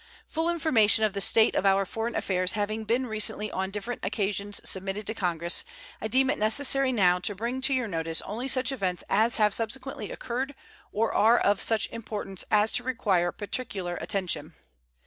Full information of the state of our foreign affairs having been recently on different occasions submitted to Congress, I deem it necessary now to bring to your notice only such events as have subsequently occurred or are of such importance as to require particular attention.